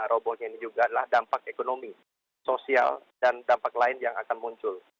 robohnya ini juga adalah dampak ekonomi sosial dan dampak lain yang akan muncul